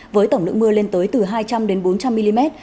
với tổng lượng mưa lên tới từ hai trăm linh bốn trăm linh mm